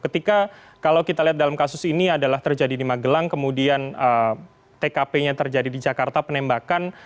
ketika kalau kita lihat dalam kasus ini adalah terjadi di magelang kemudian tkp nya terjadi di jakarta penembakan